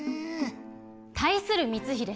対する光秀さん